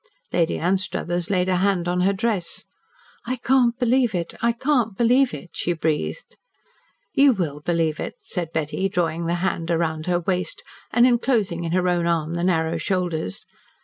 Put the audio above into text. Lady Anstruthers laid a hand on her dress. "I can't believe it! I can't believe it!" she breathed. "You will believe it," said Betty, drawing the hand around her waist and enclosing in her own arm the narrow shoulders.